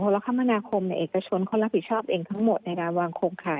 แล้วคมนาคมเอกชนเขารับผิดชอบเองทั้งหมดในการวางโครงข่าย